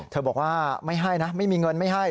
บอกว่าไม่ให้นะไม่มีเงินไม่ให้